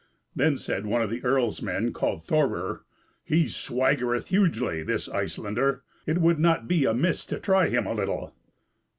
Then said one of the earl's men, called Thorir: "He swaggereth hugely, this Icelander! It would not be amiss to try him a little."